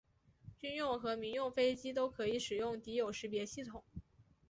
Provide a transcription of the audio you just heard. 军用和民用飞机都可以使用敌友识别系统。